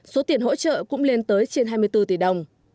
số tiền hỗ trợ cũng lên tới trên hai mươi bốn tỷ đồng